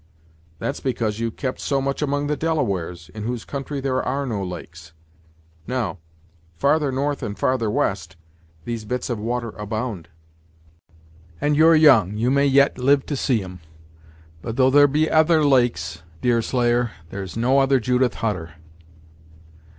"That's because you've kept so much among the Delawares, in whose country there are no lakes. Now, farther north and farther west these bits of water abound; and you're young, and may yet live to see 'em. But though there be other lakes, Deerslayer, there's no other Judith Hutter!"